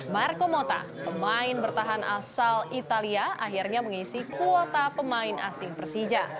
marco mota pemain bertahan asal italia akhirnya mengisi kuota pemain asing persija